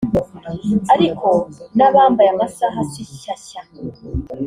Ariko n’abambaye amasaha si shyashya